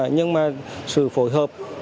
nhưng mà sự phối hợp